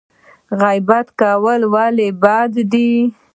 غیبت کول ولې بد دي؟